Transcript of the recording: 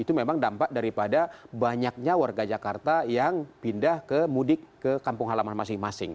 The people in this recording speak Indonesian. itu memang dampak daripada banyaknya warga jakarta yang pindah ke mudik ke kampung halaman masing masing